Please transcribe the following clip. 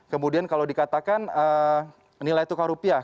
kemudian kalau dikatakan nilai tukar rupiah